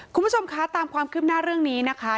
คุณผู้ชมคะตามความคืบหน้าเรื่องนี้นะคะ